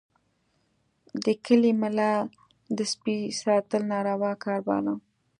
د کلي ملا د سپي ساتل ناروا کار باله.